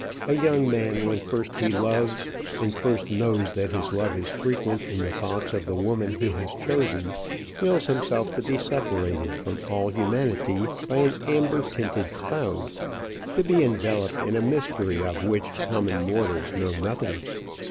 A young man when first he loves, and first knows that his love is frequent in the thoughts of the woman he has chosen, feels himself to be separated from all humanity by an amber tinted cloud to be enveloped in a mystery of which common mortals know nothing.